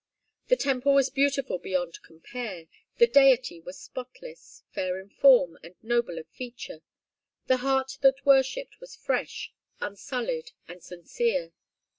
The temple was beautiful beyond compare; the deity was spotless, fair of form, and noble of feature; the heart that worshipped was fresh, unsullied, and sincere.